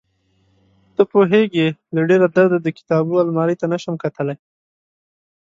ته پوهېږې له ډېره درده د کتابو المارۍ ته نشم کتلى.